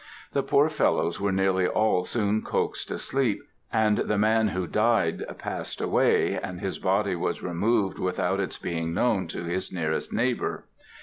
The poor fellows were nearly all soon coaxed asleep, and the man who died passed away, and his body was removed without its being known to his nearest neighbor.